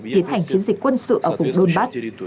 tiến hành chiến dịch quân sự ở vùng đôn bắc